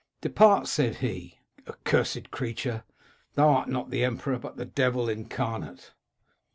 "* Depart,' said he, * accursed creature ! Thou art not the emperor, but the devil incarnate.'